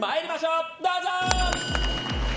どうぞ！